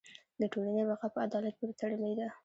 د ټولنې بقاء په عدالت پورې تړلې ده.